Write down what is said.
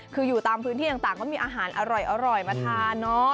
คืออยู่ตามพื้นที่ต่างเขามีอาหารอร่อยมาทานเนอะ